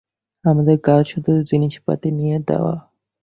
আমাদের কাজ শুধু জিনিসপাতি নিয়ে দেয়া।